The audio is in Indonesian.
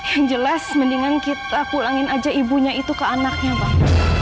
yang jelas mendingan kita pulangin aja ibunya itu ke anaknya bang